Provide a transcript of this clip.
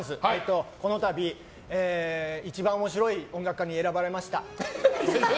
この度、一番面白い音楽家に選ばれました。